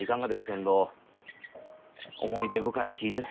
けんど思い出深い木です